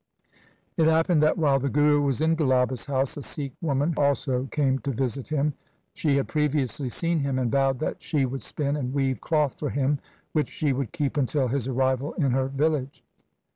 It happened that while the Guru was in Gulaba's house a Sikh woman also came to visit him. She had previously seen him and vowed that she would spin and weave cloth for him, which she would keep until his arrival in her village.